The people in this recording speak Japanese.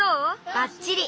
ばっちり！